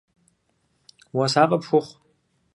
Уасафӏэ пхухъу.